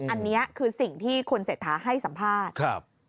อันนี้คือสิ่งที่คุณเศรษฐาให้สัมภาษณ์